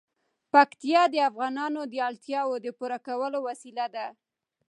پکتیا د افغانانو د اړتیاوو د پوره کولو وسیله ده.